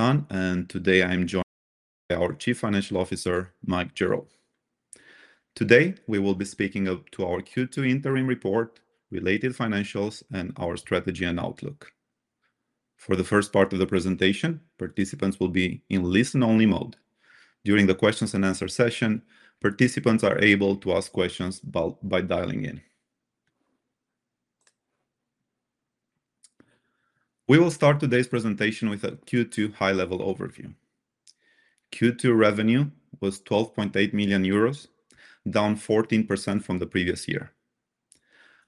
Done, and today I'm joined by our Chief Financial Officer, Mike Gerrow. Today, we will be speaking up to our Q2 interim report, related financials, and our strategy and outlook. For the first part of the presentation, participants will be in listen-only mode. During the Q&A session, participants are able to ask questions by dialing in. We will start today's presentation with a Q2 high-level overview. Q2 revenue was 12.8 million euros, down 14% from the previous year.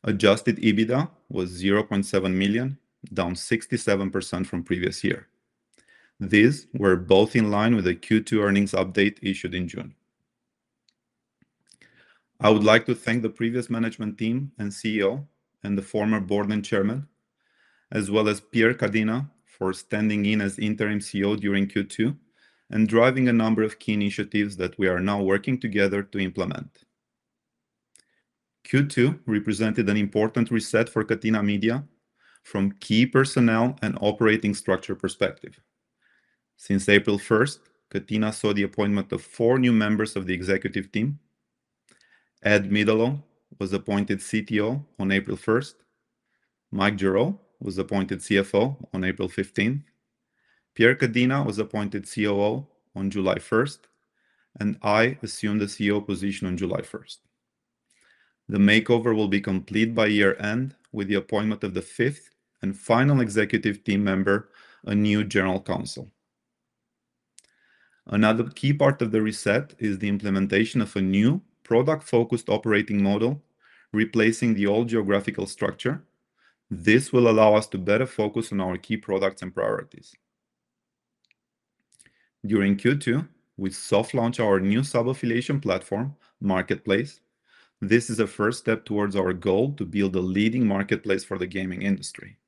Adjusted EBITDA was 0.7 million, down 67% from previous year. These were both in line with the Q2 earnings update issued in June. I would like to thank the previous management team and CEO and the former board and chairman, as well as Pierre Cadena for standing in as interim CEO during Q2 and driving a number of key initiatives that we are now working together to implement. Q2 represented an important reset for Catena Media from key personnel and operating structure perspective. Since April 1st, Catena saw the appointment of four new members of the executive team. Ed Midolo was appointed CTO on April 1st. Mike Gerrow was appointed CFO on April 15th. Pierre Cadena was appointed COO on July 1st, and I assumed the CEO position on July 1st. The makeover will be complete by year-end with the appointment of the fifth and final executive team member, a new general counsel. Another key part of the reset is the implementation of a new product-focused operating model, replacing the old geographical structure. This will allow us to better focus on our key products and priorities. During Q2, we soft launched our new sub-affiliation platform, Marketplace. This is a first step towards our goal to build a leading marketplace for the gaming industry.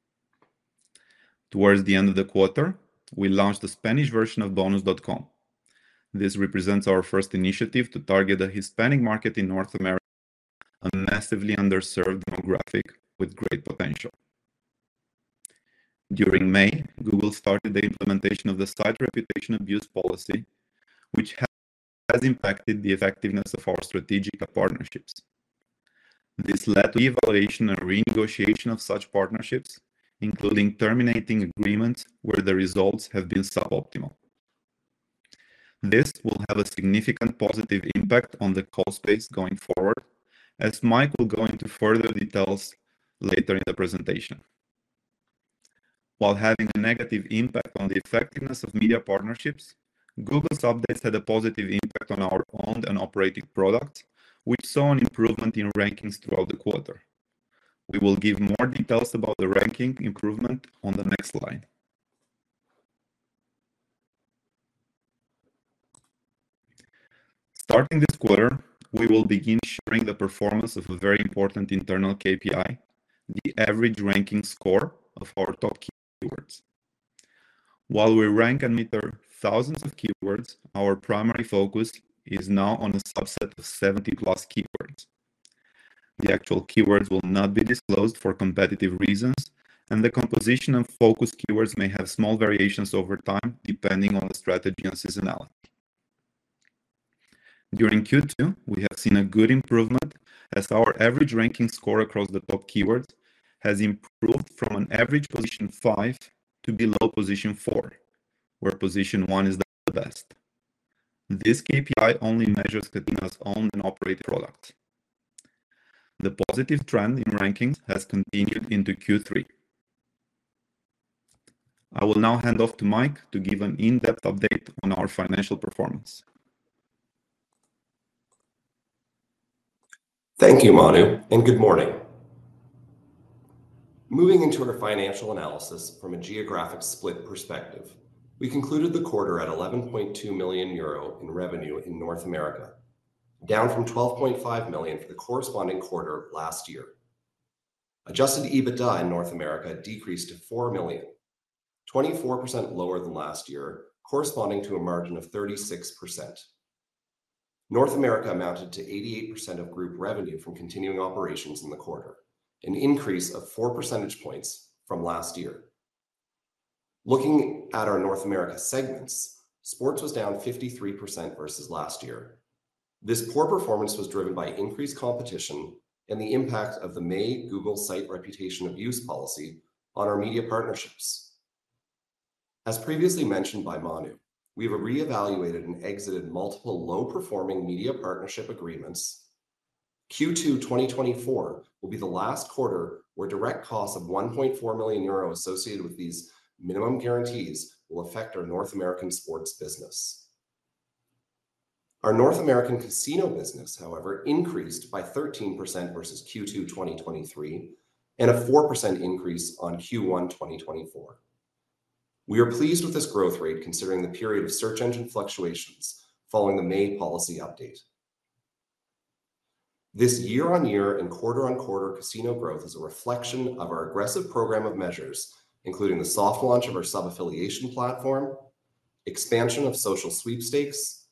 Towards the end of the quarter, we launched the Spanish version of Bonus.com. This represents our first initiative to target the Hispanic market in North America, a massively underserved demographic with great potential. During May, Google started the implementation of the Site Reputation Abuse Policy, which has impacted the effectiveness of our strategic partnerships. This led to the evaluation and renegotiation of such partnerships, including terminating agreements where the results have been suboptimal. This will have a significant positive impact on the cost base going forward, as Mike will go into further details later in the presentation. While having a negative impact on the effectiveness of media partnerships, Google's updates had a positive impact on our owned and operated products, which saw an improvement in rankings throughout the quarter. We will give more details about the ranking improvement on the next slide. Starting this quarter, we will begin sharing the performance of a very important internal KPI, the average ranking score of our top keywords. While we rank and meter thousands of keywords, our primary focus is now on a subset of 70+ keywords. The actual keywords will not be disclosed for competitive reasons, and the composition of focus keywords may have small variations over time, depending on the strategy and seasonality. During Q2, we have seen a good improvement as our average ranking score across the top keywords has improved from an average position 5 to below position 4, where position 1 is the best. This KPI only measures Catena's owned and operated products. The positive trend in rankings has continued into Q3. I will now hand off to Mike to give an in-depth update on our financial performance. Thank you, Manu, and good morning. Moving into our financial analysis from a geographic split perspective, we concluded the quarter at 11.2 million euro in revenue in North America, down from 12.5 million for the corresponding quarter last year. Adjusted EBITDA in North America decreased to 4 million, 24% lower than last year, corresponding to a margin of 36%. North America amounted to 88% of group revenue from continuing operations in the quarter, an increase of 4 percentage points from last year. Looking at our North America segments, sports was down 53% versus last year. This poor performance was driven by increased competition and the impact of the May Google site reputation abuse policy on our media partnerships. As previously mentioned by Manu, we have reevaluated and exited multiple low-performing media partnership agreements. Q2 2024 will be the last quarter where direct costs of 1.4 million euros associated with these minimum guarantees will affect our North American sports business. Our North American casino business, however, increased by 13% versus Q2 2023 and a 4% increase on Q1 2024. We are pleased with this growth rate considering the period of search engine fluctuations following the May policy update. This year-on-year and quarter-on-quarter casino growth is a reflection of our aggressive program of measures, including the soft launch of our sub-affiliation platform, expansion of social sweepstakes,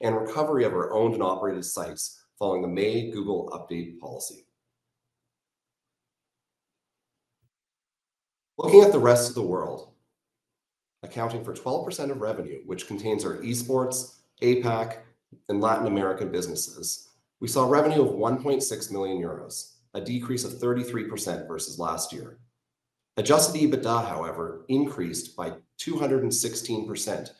and recovery of our owned and operated sites following the May Google update policy. Looking at the rest of the world, accounting for 12% of revenue, which contains our Esports, APAC, and Latin American businesses, we saw revenue of 1.6 million euros, a decrease of 33% versus last year. Adjusted EBITDA, however, increased by 216%,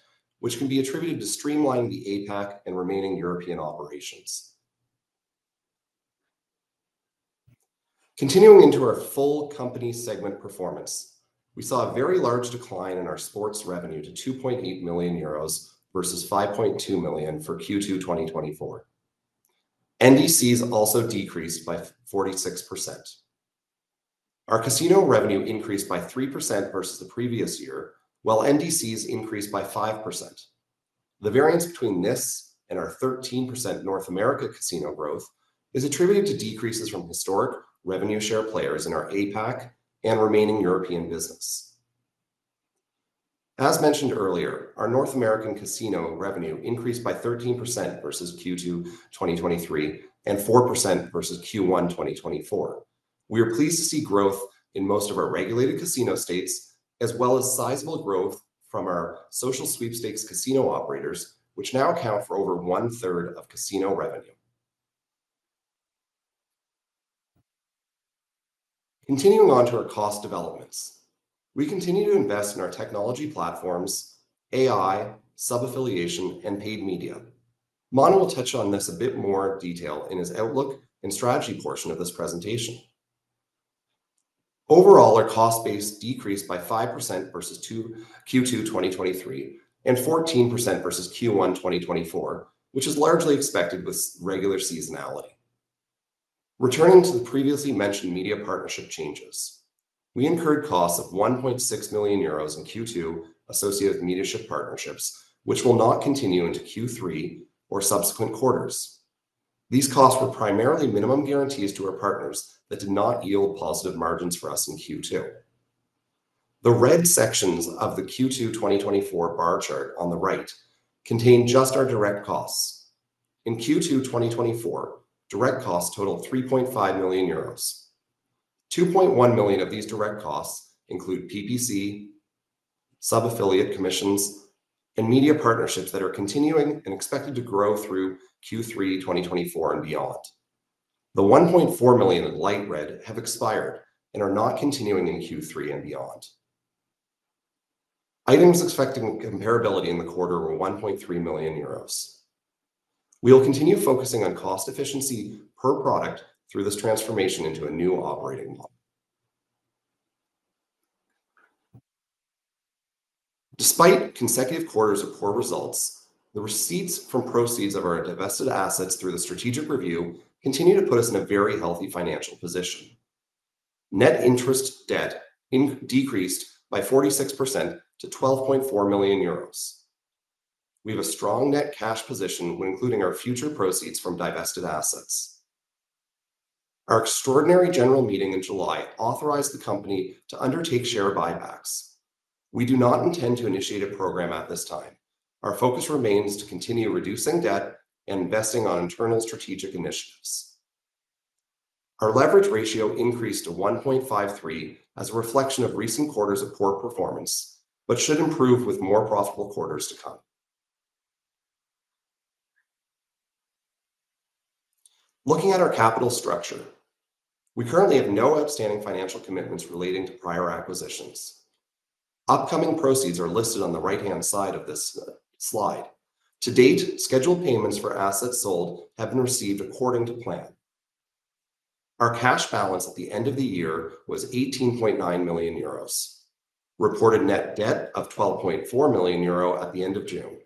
which can be attributed to streamlining the APAC and remaining European operations. Continuing into our full company segment performance, we saw a very large decline in our sports revenue to 2.8 million euros versus 5.2 million for Q2, 2024. NDCs also decreased by 46%. Our casino revenue increased by 3% versus the previous year, while NDCs increased by 5%. The variance between this and our 13% North America casino growth is attributed to decreases from historic revenue share players in our APAC and remaining European business. As mentioned earlier, our North American casino revenue increased by 13% versus Q2, 2023, and 4% versus Q1, 2024. We are pleased to see growth in most of our regulated casino states, as well as sizable growth from our social sweepstakes casino operators, which now account for over one-third of casino revenue. Continuing on to our cost developments, we continue to invest in our technology platforms, AI, sub-affiliation, and paid media. Manu will touch on this a bit more detail in his outlook and strategy portion of this presentation. Overall, our cost base decreased by 5% versus Q2, 2023, and 14% versus Q1, 2024, which is largely expected with regular seasonality. Returning to the previously mentioned media partnership changes, we incurred costs of 1.6 million euros in Q2 associated with media partnership, which will not continue into Q3 or subsequent quarters. These costs were primarily minimum guarantees to our partners that did not yield positive margins for us in Q2. The red sections of the Q2, 2024, bar chart on the right contain just our direct costs. In Q2, 2024, direct costs totaled 3.5 million euros. 2.1 million of these direct costs include PPC, sub-affiliate commissions, and media partnerships that are continuing and expected to grow through Q3, 2024, and beyond. The 1.4 million in light red have expired and are not continuing in Q3 and beyond. Items expecting comparability in the quarter were 1.3 million euros. We will continue focusing on cost efficiency per product through this transformation into a new operating model. Despite consecutive quarters of poor results, the receipts from proceeds of our divested assets through the strategic review continue to put us in a very healthy financial position. Net interest debt decreased by 46% to 12.4 million euros. We have a strong net cash position when including our future proceeds from divested assets. Our extraordinary general meeting in July authorized the company to undertake share buybacks. We do not intend to initiate a program at this time. Our focus remains to continue reducing debt and investing on internal strategic initiatives. Our leverage ratio increased to 1.53 as a reflection of recent quarters of poor performance, but should improve with more profitable quarters to come. Looking at our capital structure, we currently have no outstanding financial commitments relating to prior acquisitions. Upcoming proceeds are listed on the right-hand side of this slide. To date, scheduled payments for assets sold have been received according to plan. Our cash balance at the end of the year was 18.9 million euros. Reported net debt of 12.4 million euro at the end of June.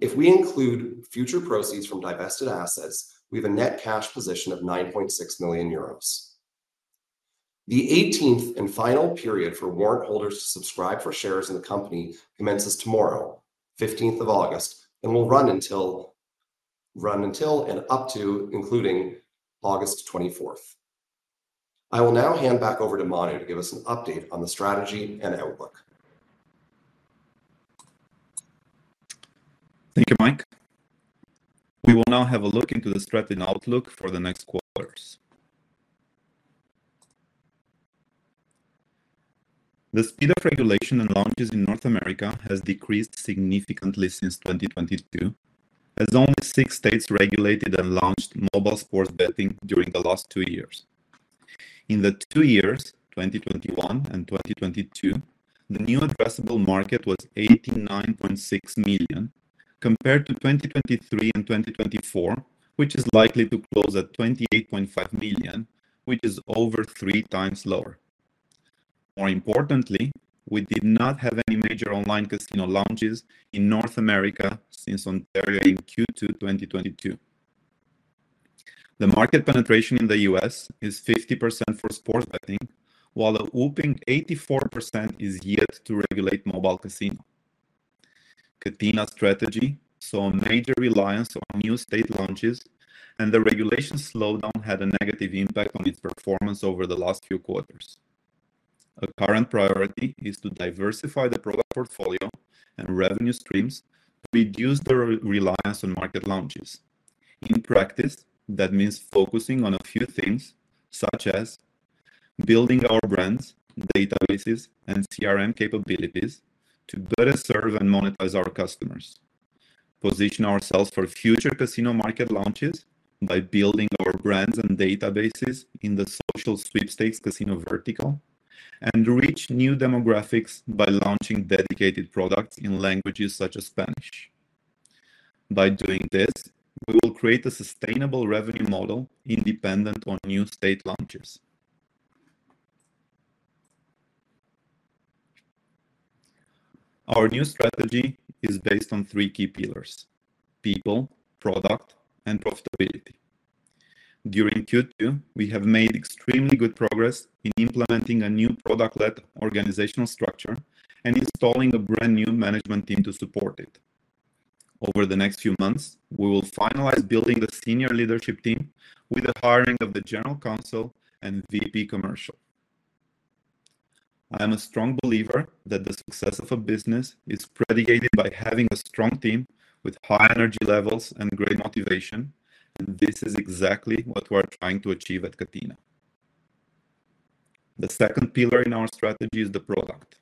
If we include future proceeds from divested assets, we have a net cash position of 9.6 million euros. The eighteenth and final period for warrant holders to subscribe for shares in the company commences tomorrow, August 15, and will run until, and up to including August 24th. I will now hand back over to Manu to give us an update on the strategy and outlook. Thank you, Mike. We will now have a look into the strategy and outlook for the next quarters. The speed of regulation and launches in North America has decreased significantly since 2022, as only 6 states regulated and launched mobile sports betting during the last 2 years. In the 2 years, 2021 and 2022, the new addressable market was 89.6 million, compared to 2023 and 2024, which is likely to close at 28.5 million, which is over 3 times lower. More importantly, we did not have any major online casino launches in North America since Ontario in Q2, 2022. The market penetration in the U.S. is 50% for sports betting, while a whopping 84% is yet to regulate mobile casino. Catena strategy saw a major reliance on new state launches, and the regulation slowdown had a negative impact on its performance over the last few quarters.... A current priority is to diversify the product portfolio and revenue streams to reduce the reliance on market launches. In practice, that means focusing on a few things, such as building our brands, databases, and CRM capabilities to better serve and monetize our customers. Position ourselves for future casino market launches by building our brands and databases in the social sweepstakes casino vertical, and reach new demographics by launching dedicated products in languages such as Spanish. By doing this, we will create a sustainable revenue model independent on new state launches. Our new strategy is based on three key pillars: people, product, and profitability. During Q2, we have made extremely good progress in implementing a new product-led organizational structure and installing a brand-new management team to support it. Over the next few months, we will finalize building the senior leadership team with the hiring of the general counsel and VP Commercial. I am a strong believer that the success of a business is predicated by having a strong team with high energy levels and great motivation, and this is exactly what we are trying to achieve at Catena. The second pillar in our strategy is the product.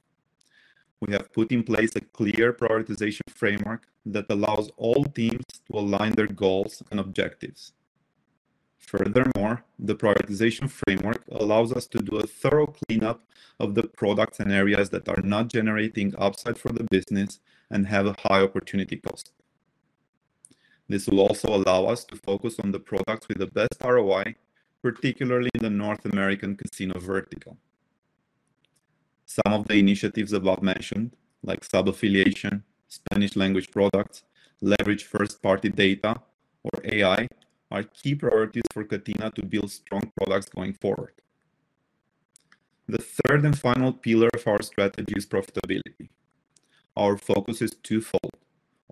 We have put in place a clear prioritization framework that allows all teams to align their goals and objectives. Furthermore, the prioritization framework allows us to do a thorough cleanup of the products and areas that are not generating upside for the business and have a high opportunity cost. This will also allow us to focus on the products with the best ROI, particularly in the North American casino vertical. Some of the initiatives above mentioned, like sub-affiliation, Spanish language products, leverage first-party data or AI, are key priorities for Catena to build strong products going forward. The third and final pillar of our strategy is profitability. Our focus is twofold: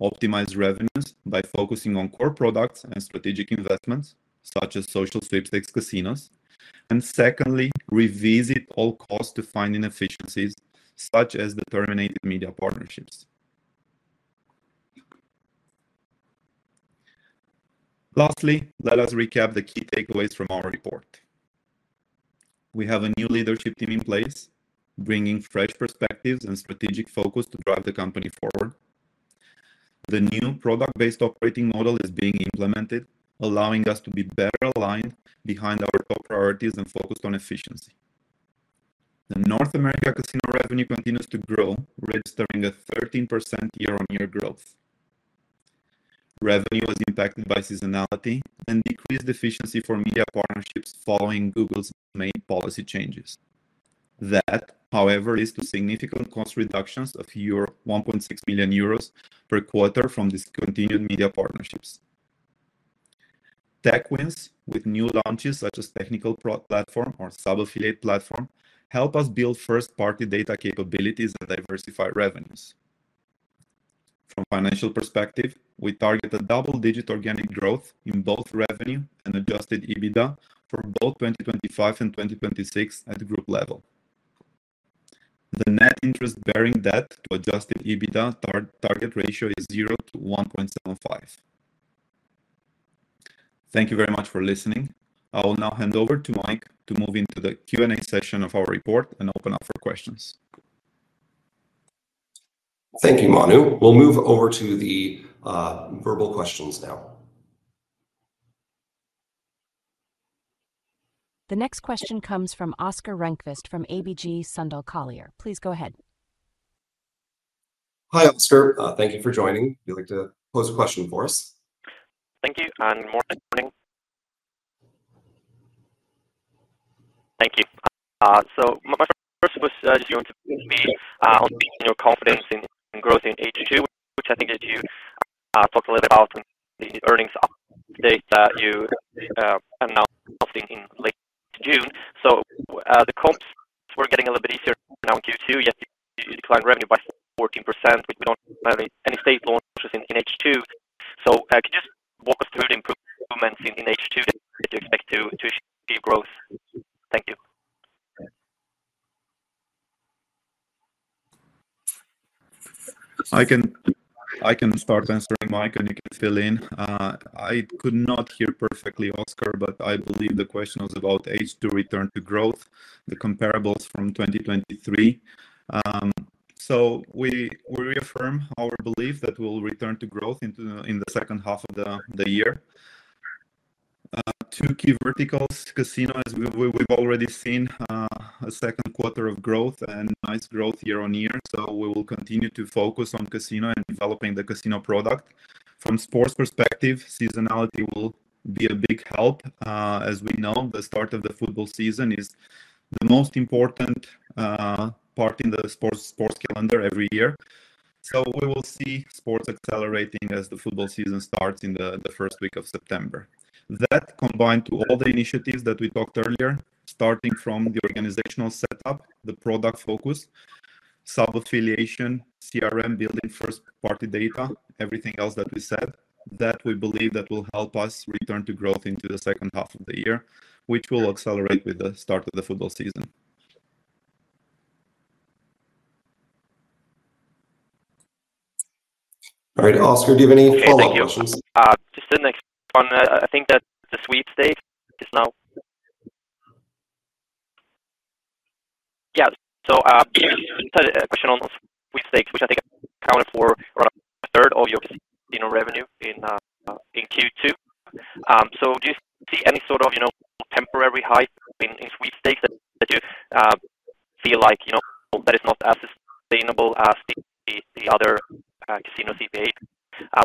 optimize revenues by focusing on core products and strategic investments, such as social sweepstakes casinos, and secondly, revisit all costs to find inefficiencies, such as the terminated media partnerships. Lastly, let us recap the key takeaways from our report. We have a new leadership team in place, bringing fresh perspectives and strategic focus to drive the company forward. The new product-based operating model is being implemented, allowing us to be better aligned behind our top priorities and focused on efficiency. The North America casino revenue continues to grow, registering a 13% year-on-year growth. Revenue was impacted by seasonality and decreased efficiency for media partnerships following Google's May policy changes. That, however, is to significant cost reductions of 1.6 million euros per quarter from discontinued media partnerships. Tech wins with new launches, such as technical pro- platform or sub-affiliate platform, help us build first-party data capabilities and diversify revenues. From financial perspective, we target a double-digit organic growth in both revenue and adjusted EBITDA for both 2025 and 2026 at group level. The net interest bearing debt to adjusted EBITDA target ratio is 0 to 1.75. Thank you very much for listening. I will now hand over to Mike to move into the Q&A session of our report and open up for questions. Thank you, Manu. We'll move over to the verbal questions now. The next question comes from Oscar Rönnkvist from ABG Sundal Collier. Please go ahead. Hi, Oscar. Thank you for joining. If you'd like to pose a question for us. Thank you, and morning. Thank you. So my first was, you know, on the, your confidence in growth in H2, which I think that you talked a little bit about in the earnings update that you announced in late June. So, the comps were getting a little bit easier now in Q2, yet you declined revenue by 14%. We don't have any state launches in H2. So, could you just walk us through the improvements in H2 that you expect to see growth? Thank you. I can, I can start answering, Mike, and you can fill in. I could not hear perfectly, Oscar, but I believe the question was about H2 return to growth, the comparables from 2023. So we reaffirm our belief that we'll return to growth into the second half of the year. Two key verticals, casino, as we've already seen, a Q2 of growth and nice growth year on year, so we will continue to focus on casino and developing the casino product. From sports perspective, seasonality will be a big help. As we know, the start of the football season is the most important part in the sports calendar every year. So we will see sports accelerating as the football season starts in the first week of September. That, combined to all the initiatives that we talked earlier, starting from the organizational setup, the product focus, sub-affiliation, CRM building, first-party data, everything else that we said, that we believe that will help us return to growth into the second half of the year, which will accelerate with the start of the football season. All right, Oscar, do you have any follow-up questions? Hey, thank you. Just the next one. I think that the sweepstakes is now, Yeah. So, a question on sweepstakes, which I think accounted for around a third of your, you know, revenue in Q2. So do you see any sort of, you know, temporary hike in sweepstakes that you feel like, you know, that is not as sustainable as the other casino CPA?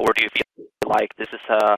Or do you feel like this has a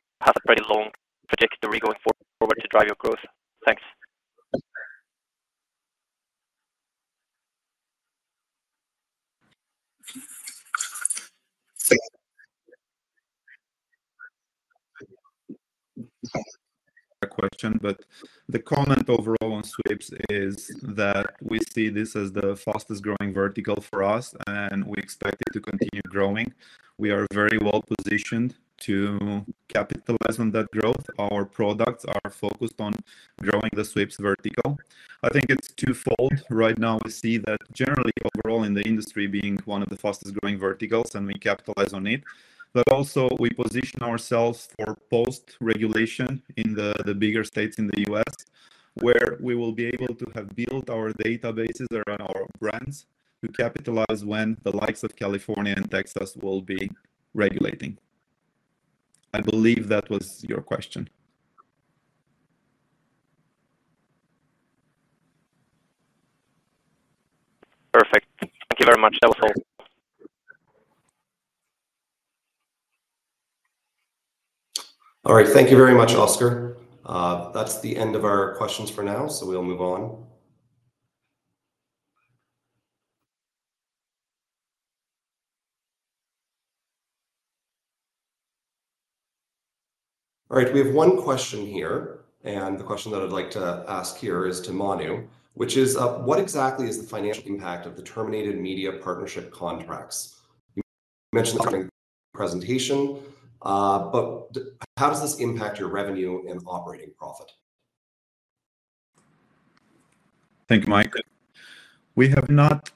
very long trajectory going forward to drive your growth? Thanks. A question, but the comment overall on sweeps is that we see this as the fastest-growing vertical for us, and we expect it to continue growing. We are very well positioned to capitalize on that growth. Our products are focused on growing the sweeps vertical. I think it's twofold. Right now, we see that generally, overall in the industry, being one of the fastest-growing verticals, and we capitalize on it. But also we position ourselves for post-regulation in the bigger states in the U.S., where we will be able to have built our databases around our brands to capitalize when the likes of California and Texas will be regulating. I believe that was your question. Perfect. Thank you very much. That was all. All right. Thank you very much, Oscar. That's the end of our questions for now, so we'll move on. All right, we have one question here, and the question that I'd like to ask here is to Manu, which is, "What exactly is the financial impact of the terminated media partnership contracts? You mentioned during presentation, but how does this impact your revenue and operating profit? Thank you, Mike. We have not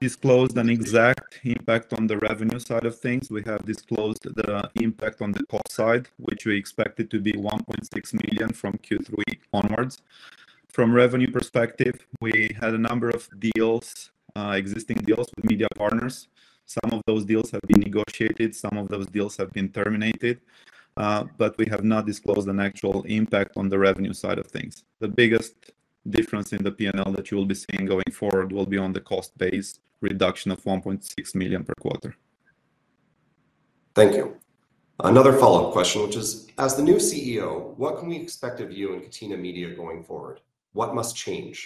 disclosed an exact impact on the revenue side of things. We have disclosed the impact on the cost side, which we expect it to be 1.6 million from Q3 onwards. From revenue perspective, we had a number of deals, existing deals with media partners. Some of those deals have been negotiated, some of those deals have been terminated, but we have not disclosed an actual impact on the revenue side of things. The biggest difference in the P&L that you will be seeing going forward will be on the cost base, reduction of 1.6 million per quarter. Thank you. Another follow-up question, which is: "As the new CEO, what can we expect of you and Catena Media going forward? What must change?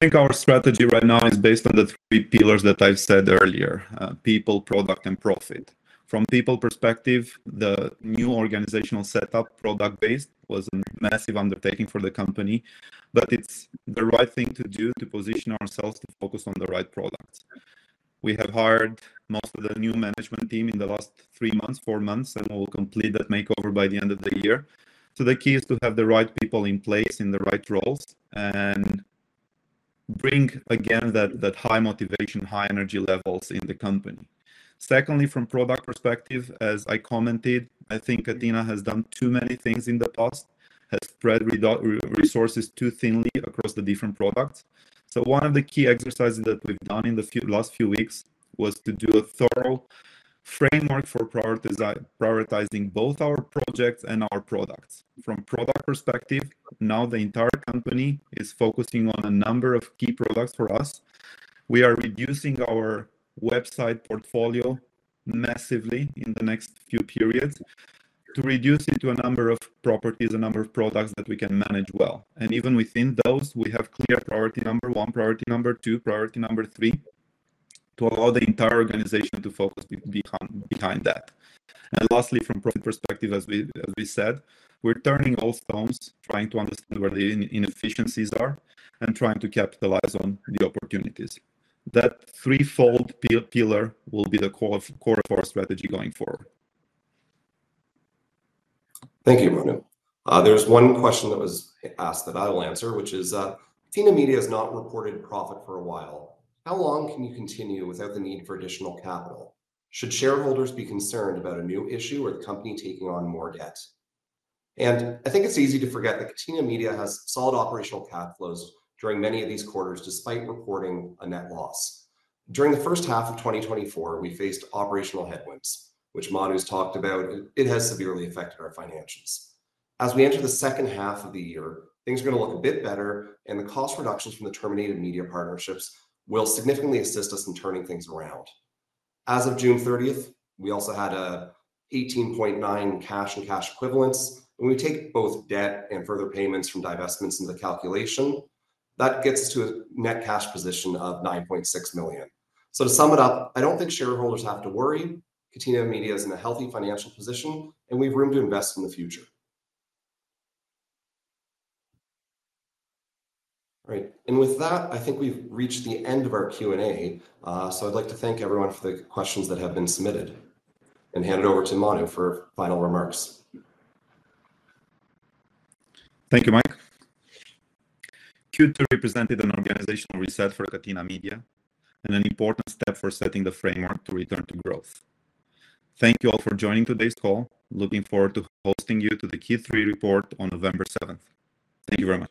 I think our strategy right now is based on the three pillars that I've said earlier, people, product, and profit. From people perspective, the new organizational setup, product-based, was a massive undertaking for the company, but it's the right thing to do to position ourselves to focus on the right products. We have hired most of the new management team in the last three months, four months, and we will complete that makeover by the end of the year. So the key is to have the right people in place in the right roles and bring again that, that high motivation, high energy levels in the company. Secondly, from product perspective, as I commented, I think Catena has done too many things in the past, has spread resources too thinly across the different products. So one of the key exercises that we've done in the last few weeks was to do a thorough framework for prioritizing both our projects and our products. From product perspective, now the entire company is focusing on a number of key products for us. We are reducing our website portfolio massively in the next few periods to reduce it to a number of properties, a number of products that we can manage well. And even within those, we have clear priority number one, priority number two, priority number three, to allow the entire organization to focus behind that. And lastly, from profit perspective, as we said, we're turning all stones, trying to understand where the inefficiencies are and trying to capitalize on the opportunities. That threefold pillar will be the core of our strategy going forward. Thank you, Manu. There's one question that was asked that I will answer, which is, "Catena Media has not reported profit for a while. How long can you continue without the need for additional capital? Should shareholders be concerned about a new issue or the company taking on more debt?" I think it's easy to forget that Catena Media has solid operational cash flows during many of these quarters, despite reporting a net loss. During the first half of 2024, we faced operational headwinds, which Manu's talked about. It has severely affected our financials. As we enter the second half of the year, things are going to look a bit better, and the cost reductions from the terminated media partnerships will significantly assist us in turning things around. As of June 30, we also had 18.9 million cash and cash equivalents, and we take both debt and further payments from divestments in the calculation. That gets us to a net cash position of 9.6 million. So to sum it up, I don't think shareholders have to worry. Catena Media is in a healthy financial position, and we've room to invest in the future. Right. And with that, I think we've reached the end of our Q&A. So I'd like to thank everyone for the questions that have been submitted and hand it over to Manu for final remarks. Thank you, Mike. Q2 represented an organizational reset for Catena Media and an important step for setting the framework to return to growth. Thank you all for joining today's call. Looking forward to hosting you to the Q3 report on November seventh. Thank you very much.